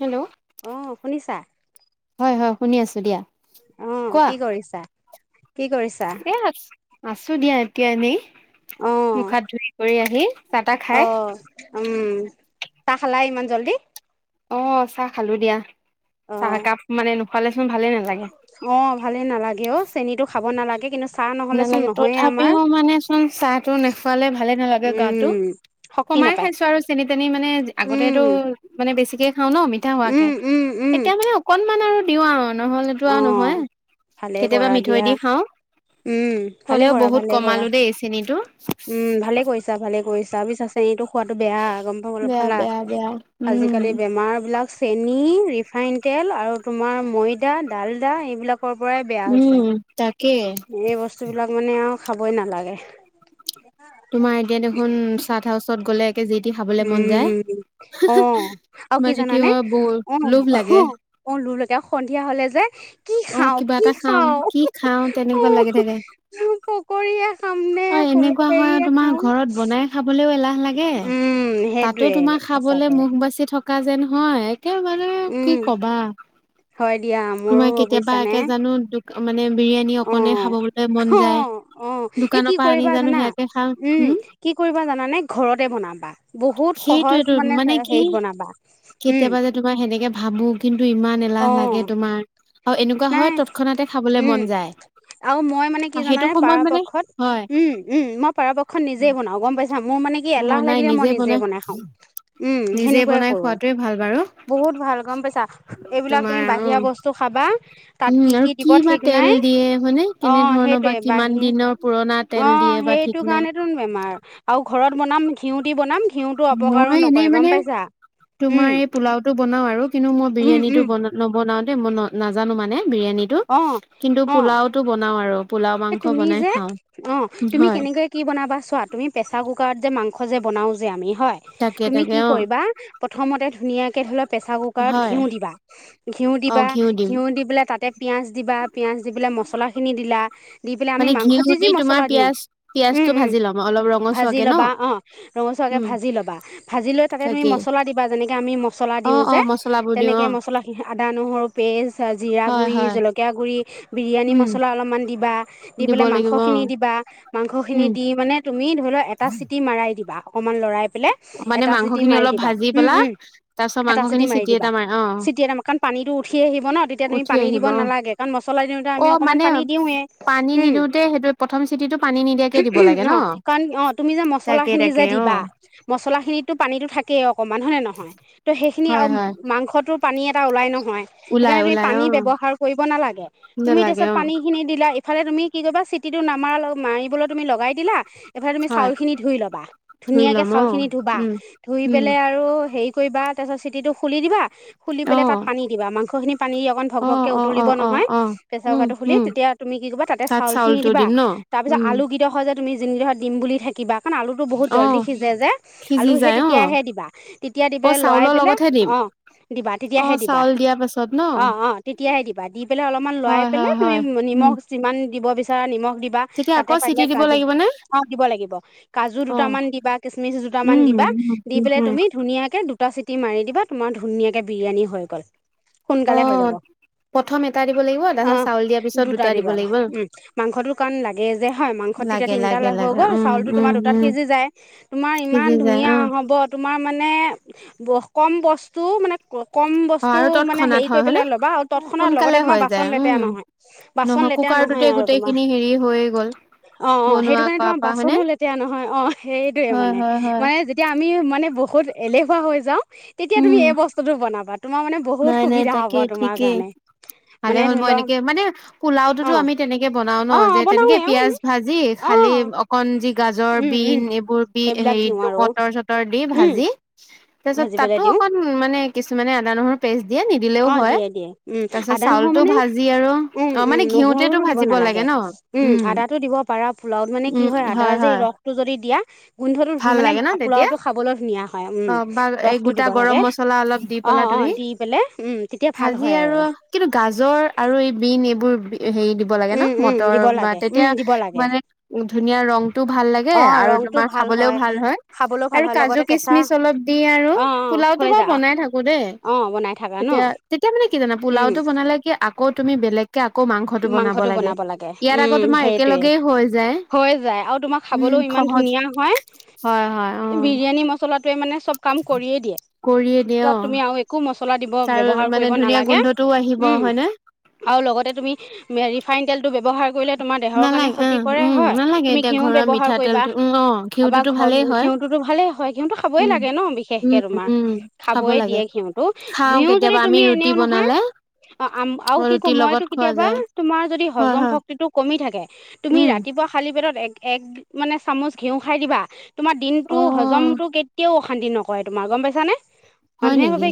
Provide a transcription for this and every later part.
Hello অ' শুনিছা? হয় হয় শুনি আছো দিয়া। আহ কি কৰিছা? কি কৰিছা? আছো দিয়া এতিয়া এনেই, মুখ হাত ধুই কৰি আহি। অ' উম চাহ খালাই ইমান জল্দি? অ' চাহ খালো দিয়া, চাহ একাপ মানে নোখোৱালেচোন ভালে নালাগে। অ' ভালেই নালাগে অ', চেনীটো খাব নালাগে কিন্তু চাহ নহলেচোন নহয়ে আমাৰ। চাহটো নেখুৱালে ভালে নালাগে গাটো, কমাই খাইছো আৰু চেনি তেনি মানে আগতেটো ম বেছিকে খাও ন মিঠা হোৱাকে এতিয়া মানে অকনমান আৰু দিওঁ আৰু। নহলেতো আৰু নহয়, কেতিয়াবা মিঠৈ দি খাও। হ'লেও বহুত কমালো দেই এই চেনীটো। উম ভালে কৰিছা, ভালে কৰিছা, বুজিছা চেনিটো খোৱাটো বেয়া গম পাব পালা, আজিকালি বেমাৰ বিলাক চেনি, ৰিফাইন তেল, আৰু তোমাৰ ময়দা, ডালদা, এইবিলাক পৰাই বেয়া হৈছে এই বস্তুবিলাক মানে আৰু খাবই নালাগে। তোমাৰ এতিয়া দেখোন চাট হাউচত গ'লে উম অ' আৰু কি জানানে অ' আহ অ' লোৰলৈকে সন্ধিয়া হলে যে অ' কিবা এটা খাম, কি খাও তেনেকুৱা লাগি থাকে। অ' এনেকুৱা হয় আৰু তোমাৰ ঘৰত বনাই খাবলৈও এলাহ। তাতো তোমাৰ খাবলে মুখ বাচি থ থকা যেন একেবাৰে কি কবা হয় দিয়া, মোৰো বুজিছা নে? মানে বিৰিয়ানী অকনে খাবলৈ মন যায়, দোকানৰ পৰা আনি জানো সেয়াকে খা হম কি কৰিবা জানানে ঘৰতে বনাবা বহুত সহজ মানে হেৰিত বনাবা কেতিয়াবা যে তোমাৰ সেনেকে ভাবো কিন্তু ইমান এলাহ লাগে তোমাৰ, আৰু এনেকুৱা হয় তৎক্ষণাতে খাবলৈ মন যায়। আৰু মই মানে কি জানে পাৰপক্ষত উম উম মই পৰাাৰপক্ষত নিজে বনাও গম পাইছা মোৰ মানে, মানে কি এলাহ লাগিলে মই নিজে বনাই খাও উমেনেকুৱাই কৰো। বহুত ভাল গম পাইছা এইবিলাক তুমি বাহিৰা বস্তু খাবা। তাত কি কি দিব ঠিক নাই অ' সেইটয়ে বাঢাহি অ' অ' সেইটো কাৰণেতো বেমাৰ আৰু ঘৰত বনাম ঘিউট বনাম সিউতটো অপকাৰো নকয় গম পাইছা, তোমাৰ এই পোলাও টো বনাও আৰু কিন্তু মই বিৰিয়ানীটো ব নবনাও দেই মই ন নাজানো মানে বিৰিয়ানী টো কিন্তু পোলাওতটো বনাও আৰু, তুমি যে অ' তুমি কেনেকে কি বনাবা চোৱা তুমি প্ৰেচাৰ কুকাৰত যে মাংস বনাও যে আমি হয় তুমি কি কৰিবা প্ৰথমতে ধুনে ধৰি দ দ ম পচলা খিনি দিলা? দি পেলাই আমি মাংসত যি যি মছলা দিওঁ উম উম ভাজি ল'বা অ' ৰঙা ভা ভা মা ম আদা নহৰু পেষ্ট জিৰা গুড়ি জলকীয়া গুড়ি বিৰিয়ানী মছলা অলপমান দিবা। দি পেলাই মাংস খিনি দিবা মাংস খিনি দি মানে তুমি ধৰি লও এটা চিটি মাৰাই দিবাক ম ম কাৰণ পানীটো উঠি আহিব ন তেতিয়া তুমি পানী দিব নালাগে কাৰণ মছলা দিওঁতে আমি অকণমান পানী দিওঁৱে, উম অ' কাৰণ অ' তুমি যে মচলা খিনি যে দিবা, মচলা খিনিতো পানীতো থাকেই অকনমান হয়নে নহয় ত' সেইখিনি আৰু মাংসটো পানী এটা ওলাই ন! হয় সেইকাৰণে তুমি পানী ব্য়ৱহাৰ কৰিব নালাগে তুমি তাৰপিছত পানী খিনি দিলা। ইফালে তুমি কি কৰিবা চিটিটো নামাৰ মাৰিবলৈ তুমি লগাই দিলা এইফালে তুমি চাউলখিনি ধুই ল'বা ধুনীয়াকৈ চাউলখিনি ধুবা ধুই পেলাই আৰু হেৰি, কৰিব তাৰপিছত চিটিটো খুলি দিবা। খুলি পেলাই তাত পানী দিবা মাংসখিনি পানী দি অকন ভক ভকে উতলিব নহয় প্ৰেচাৰ কুকাৰ টো খুলি তেতিয়া, তুম কি কৰিববা চাউলখিনি দিবা তাৰ পিছ আলু ক কিডৰ হয় যে তুমি যিনিডখ দিম বুলি থাকিবা। কাৰণ আলুটো বহুত জল্দি সিজে যে আলু সেই তেতিয়াহে দিবা তেতিয়া দি পেলাই লৰাই পেলাই অ' অ' দিবা তেতিয়াহে দিবা অ' অ' তেতিয়াহে দিবা বা দি পেলাই অলপমান লাই পেলাই তুমি নিমখ যিমান দিব বিচাৰা নিমখ। দিবা তাতে পাৰিলে কাজু, অ' দিব লাগিব কাজু দুটামান দিবা কিচমিচ দুটামান দিবা দি পেলাই তুমি ধুনীয়াকে দু কুটা চিটি মাৰি দিবা তোমাৰ ধুনীয়াকে বিৰিয়ানী হৈ গ'ল, সোনকালে হৈ যাব আহ দু উম মাংসটোো কাৰণ লাগে যে হয় মাংসটো তেতিয়া তিনিটা হৈ গ'ল চালো তোমাৰ দুটাত সিজি তোমাৰ ইমান ধুন হ'ব তোমাৰ মানে, কম বস্তুও মানে ক, কম বস্তু মানে হেৰি কৰি পেলাই ল'বা আৰু তৎক্ষণৰ লগতে তোমাৰ বাচন লেতেৰা নহয়। নহয় কুকাৰটোতে গোটেইখিনি হেৰি হৈয়ে গ'ল। অ' অ' সেইটো কাৰণে তোমাৰ বাচনো লেতেৰা নহয় অ' সেইটয়ে মানে মানে যেতিয়া আমি মানে বহুত এলেহুৱা হৈ যাও তেতিয়া তুমি এই বস্তুতটো বনাবা তোমাৰ মানে বহুত সুবিধা হব তোমাৰ কাৰণে মানে ধৰি লওক পোলাওটোতো আমি তেনেকে বনাও ন যে তেনেকে পিয়াজ ভাজি খালি অকন যি, গাজৰ বিন এইবোৰ বি হেৰিটো মটৰ চটৰ দি ভাজি তাৰপিছত তাতো অকণ মানে কিছুমানে আদা নহৰু পেষ্ট দে নিদিলেও হয় তাৰপিছত চাউলতটো ভাজি আৰু অ মানে ঘিউতেতটো ভাজিব লাগে ন উম আদাতটো দিব পাৰা ফোুলাওত মানে কি হয় আদাৰ যে ৰসটো যদি দিয়া গোন্ধটো মানে আ পোলাওটো খাবলৈ ধুনীয়া হয় উম ৰস টো দিব লাগে। অ' অ' দি ভাজি আৰু কিন্তু গাজৰ আৰু এই বিন এইবোৰ হেৰি দিব লাগে ন, মটৰ বা, তেতিয়া মানে ধুনীয়া ৰংটো ভাল লাগে আৰু তোমাৰ খাবলেও ভাল হয় আৰু কাজু কিচমিচ অলপ দি আৰু, পোলাওটো বাৰু বনাই থাকো অ', বনাই তেতিয়া তেতিয়া মানে কি জানা, পোাওটো বনালে কি আকৌ তুমি বেলেগকে মাংসটো বনাব লাগে, উম সেইটোয়ে, হৈ যায়, আৰু তোমাক খাবলৈও ইমান ইমান ধুনীয়া হয়, বিৰিয়ানী মচলা তোৱে মানে চব কাম কৰিয়ে দিয়ে। তাত তুমি আৰু একো মছলা লা দিব, ব্যৱহাৰ কৰিব নালাগে, উম, আৰু লগতে তুমি ৰিফাইন তেলতটো ব্যৱহাৰ কৰিলে তমাৰ দেহৰ কাৰণ কতি হয়, তুমি ঘি ব্যৱহাৰ কৰিবা, [unintelligible] ভালে হয় ঘিতো খাবই লাগে ন বিশেষকে তোমাৰ, খাবয় দিয়ে ঘিউতটো, ঘি যদি তুমি ৰুটি বনালে অ' আ কি, ক মই এইটো কেতিয়াবা তোমাৰ যদি হজম শক্তিটো কমি থাকে, তুমি ৰাতিপুৱা খালি পেটত এক মানে চামুচ ঘিউ খাই দিবা, তোমাৰ দিনতটো হজমতটো কেতিয়াও শান্তি নকৰে তোমাৰ, গম পাইছানে। হয় নেকি?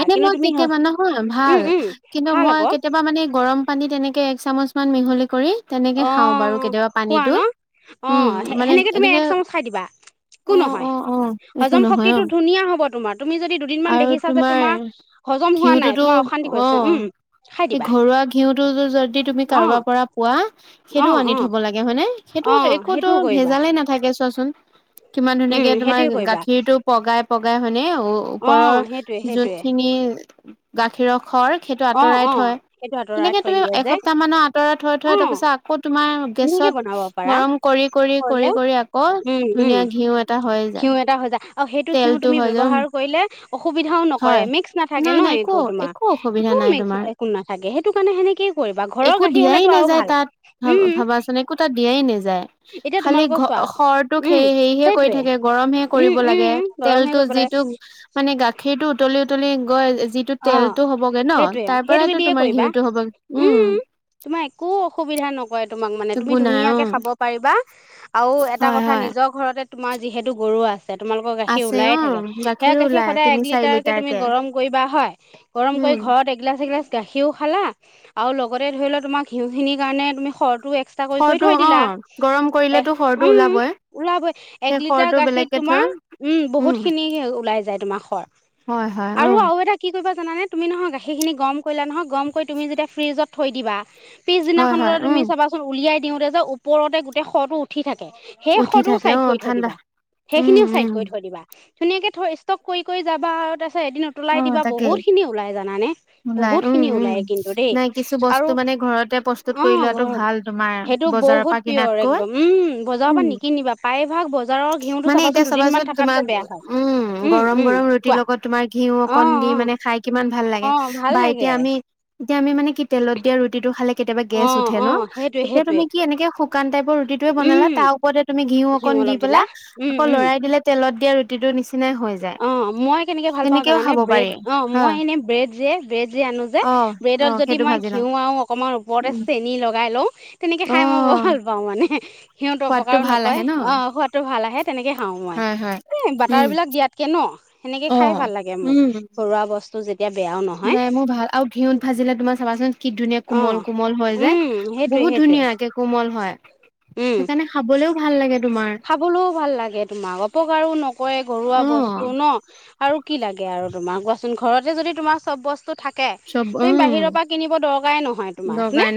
এনে মই কেতিয়াবা নহয় ভাল কিন্তু মই কেতিয়াবা মানে গৰম পানী তেনেকে এক চামুচ মান মিহলি কৰি অ', খোৱা ন, অ' সেনেকে তুমি এক চামুচ খাই দিবা। একো নহয়, হজম শক্তিটো ধুনীয়া হ'ব তোমাৰ, তুমি যদি দুদিনমান দেখিছা যে, তোমাৰ হজম হোৱা নাই, তোমাৰ অশান্তি কৰিছে, উম, খাই দিবা। যদি তুমি কাৰোবাৰ পৰা পোৱা সেইটোও আনি থব লাগে, হয় নে, সেইটো একোতো ভেজালে নাথাকে চোৱাচোন কিমান ধুনীয়াকে তোমাৰ গাখীৰতটো পগাই পগাই হয়নে ওপৰৰ যোনখিনি, গাখীৰৰ খৰ সেইটো আঁতৰাই থয়। সেনেকে তুমি এসপ্তাহ মানৰ আঁতৰা থৈ থৈ তাৰপিছত আকৌ তোমাৰ গেছত গৰম কৰি কৰি কৰি কৰি আকৌ, ধুনীয়া ঘিউ এটা হৈয়ে যায়, তেলটো হৈ [unintelligible] যা অসুবিধাও নকৰে, মিক্স নাথাকে ন একো তোমাৰ, একো মিক্স, একো নাথাকে, সেইটো কাৰণে সেনেকে কৰিবা, ঘৰৰ গাঠিৰ হলেতো আৰু ভাল, উম, এতিয়া তো তোমালোকৰ চোৱা, উম সেইটয়ে, উম-উম, গৰম হে কৰিব লাগে তল গৈ যিটো তেলতটো হ'বগে ন, তাৰ পৰাইতো তোমাৰ ঘিউতটো হ'বগে, উম। তোমাৰ একো অসুবিধা নকৰে তোমাক মানে, তুমি ধুনীয়াকে খাব পাৰিবা আৰু এটা কথা নিজৰ ঘৰত তোমাৰ যিহেতু গৰু আছে তোমালোকৰ গাখীৰ ওলাই থাকে, সেইয়া গাখীৰ সদায় এক লিটাৰ কে তুমি গৰম কৰিবা হয় গৰম কৰি ঘৰত এগিলাছ এগিলাচ গাখীৰও খালা আৰু লগতে ধৰি লোৱা তোমাৰ ঘিউখিনিৰ কাৰণে তুমি সৰটোও এক্সা কৰি কৰি থৈ দিলা, এ উম ওলাবই, এক লিটাৰ গাখীৰ তোমাৰ উম বহুত খিনি ওলাই যায় তোমাক হয়-হয় অ'। [unintelligible] জানে তুমি নহয় গাখীৰ খিনি গম কৰিলা নহয়, গম কৰি তুমি যেতিয়া ফ্ৰিজত থৈ দিবা পিছদিনাখনলৈ তুমি চাবাচোন উলিয়াই দিওতে যে ওপৰতে গোটেই 'খ' টো উঠি থাকে। সেই সটোও চাইড কৰি থৈ দিবা, সেইখিনিও চাইড কৰি থৈ দিবা ধুনীয়াকৈ থৈ, ষ্টক কৰি কৰি যাবা, আৰু তাৰপিছত এদিন উতলাই দিবা, বহুতখিনি ওলাই জানানে। বহুত খিনি ওলাই কিন্তু দেই, আৰু, অ' ঘৰত, সেইটো বহুত পিয়ৰ একদম, উম বজাৰৰ পৰা নিকিনিবা প্ৰায় ভাগ বজাৰৰ ঘিউতো চাবাচোন, দুদিনমান থকা পিছত বেয়া হয়, উম-উম কোৱা, অ'-অ' কিমান ভাল লাগে ভাল লাগে। যে আমি মানে কি তেলত দিয়া ৰুটিটো খালে কেতিয়াবা গেছ উঠে ন তেতিয়া তুমি কি এনেকে শু কান টাইপৰ ৰুটিটোৱে বনালা তা ওপৰতে তুমি ঘিউ অকন দি অকণ লৰাই দিলে তে তেলত দিয়া ৰুটিটোৰ নিচ অ মই কেনেকে ভাল পাওঁ জানানে ব্ৰেড অ মই এনে ব্ৰেড যে ব্ৰেড যে আনো যে ব্ৰেডত যদি মই ঘিউ আৰু অকণমান ওপৰতে চেনি লগাই লওঁ তেনেকে খাই মই বৰ ভাল পাও মানে ঘিউটো অপকাৰো নকয় অ সোৱাদটো ভাল আহে তেনেকে খাও মই। এই বাটাৰ বিলাক দিয়াতকে ন সেনেকে খাই ভাল লাগে মোৰ ঘৰুৱা বস্তু যেত নাই মোৰ ভাল আৰু ঘিউত ভাজিলে তোমাৰ চাবাচোন কি ধুনীয়া কোমল কোমল হয় যায় বহুত ধুনীয়াকে কোমল হয়। সেইকাৰণে খাবলেও ভাল লাগে। খাবলৈও ভাল লাগে তোমাক অপকাৰো নকৰে ঘৰুৱা বস্তু ন আৰু কি লাগে আৰু তোমাক কোৱাচোন ঘৰতে যদি তোমাৰ চব বস্ত থাকে তুমি বাহিৰৰ পৰা কিনিব দৰকাৰে নহয় তোমাৰ হয়নে?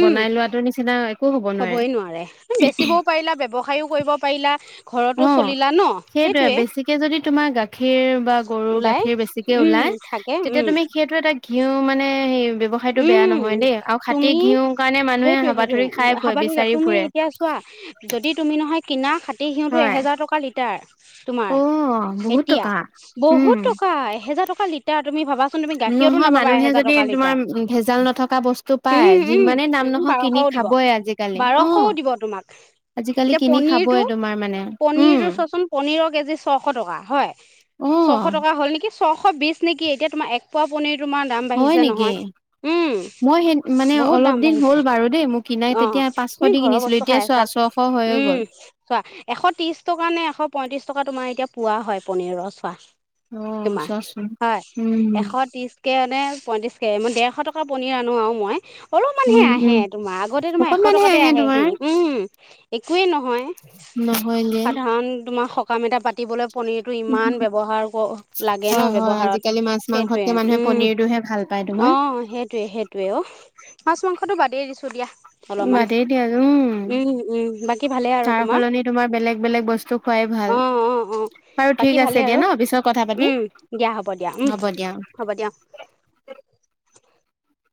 উম। হ'বই নোৱাৰে বেচিবও পাৰিলা ব্যৱসায়ও কৰিব পাৰিলা। অ সেইটোয়ে বেছিকে যদি তোমাৰ গাখীৰ বা গৰুৰ গাখীৰ বেছিকে ওলা মানে তেতিয়া তুমি সেইটো এটা ঘিউ মানে। ব্যৱসায়টো বেয়া নহয় দেই আৰু খাটি ঘিউ কাৰণে মানুহে হাবাথুৰি খাই ফুৰে বিচাৰি ফুৰে। যদি তুমি নহয় কিনা খাটিৰ ঘিউটো এহেজাৰ টকা লিটাৰ। তোমাৰ এতিয়া বহুত টকা এহেজাৰ টকা লিটাৰ তুমি ভাবা। নহয় মানুহে যদি তোমাৰ উম। ভেজাল নথকা বস্তু পায় যিমানে দাম নহওঁক কিনি খাবই আজিকালি অহ। এতিয়া পনীৰটো পনীৰটো চোৱাচোন পনীৰৰ কেজি ছশ টকা হয়। ছশ টকা হ'ল নেকি ছশ বি নে কি এতিয়া তোমাৰ এক পোৱা পনীৰৰ তোমাৰ দাম বাঢ়িছে নহয়। উম। মই সেই মানে অলপ দিন হ'ল বাৰু দেই মই কিনাই তেতিয়া পাঁচশ দি কিনিছিলোঁ এতিয়া চোৱা ছশ হয়। উম চোৱা এশ ত্ৰিশ টকা নে এশ পয়ত্ৰিশ টকা তোমাৰ এতিয়া পোৱা হয় পনীৰৰ চোৱা। তোমাৰ হয় এশ ত্ৰিচ‌কে। মানে পইয়ত্ৰিশ কে মই ডেৰশ টকা পনীৰ আনো আও মই। অলপ মানহে আহে তোমাৰ আগতে তোমাৰ এশ টকাতে আহে সেইখিনি উম। একোৱে নহয় সাধাৰণ তোমাৰ সকাম এটা পাতিবলৈ। পনীৰটো ইমান ব্যৱহাৰ হো লাগে ন ব্যৱহাৰত সেইটোৱে উম। অহ সেইটোয়ে সেইটয়ে অ মাছ মাংসটো বাদেই দিছো দিয়া। বাদেই দিয়া উম তাৰ সলনি তোমাৰ বেলেগ বেলেগ বস্তু খোৱাই। ভাল। বাৰু ঠিক আছে দিয়া ন পিছত কথা পাতিম হ'ব দিয়া। উম।